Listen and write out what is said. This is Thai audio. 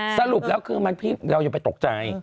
สรุปแล้วคือเราอย่าไปตกใจ